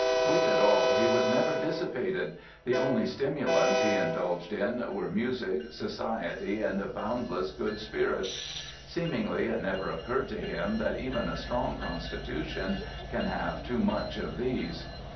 With it all "he was never dissipated"; the only stimulants he indulged in were "music, society and boundless good spirits". Seemingly it never occurred to him that even a strong constitution can have too much of these.